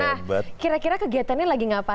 nah kira kira kegiatannya lagi ngapain ya mas emil